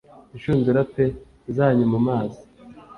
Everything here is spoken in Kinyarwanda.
Inshundura p zanyu mu mazi